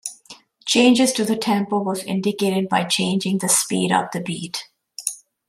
Changes to the tempo are indicated by changing the speed of the beat.